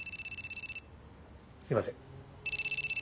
すいません。